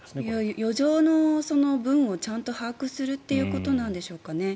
余剰の分をちゃんと把握するということなんですかね。